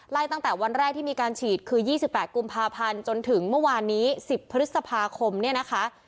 ตั้งแต่วันแรกที่มีการฉีดคือ๒๘กุมภาพันธ์จนถึงเมื่อวานนี้๑๐พฤษภาคมเนี่ยนะคะ